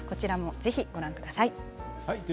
ぜひご覧ください。